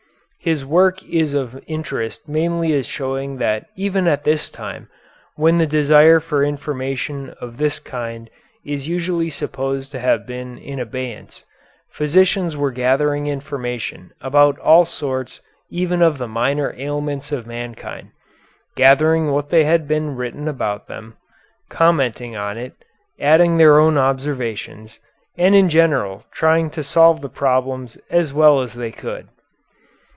His work is of interest mainly as showing that even at this time, when the desire for information of this kind is usually supposed to have been in abeyance, physicians were gathering information about all sorts even of the minor ailments of mankind, gathering what had been written about them, commenting on it, adding their own observations, and in general trying to solve the problems as well as they could.